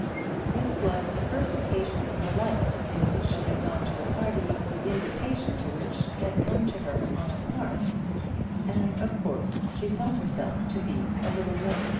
This was the first occasion in her life in which she had gone to a party, the invitation to which had come to her on a card, and of course she felt herself to be a little nervous.